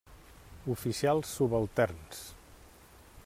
Oficials subalterns.